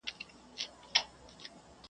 جوړه کړې په قلا کي یې غوغاوه .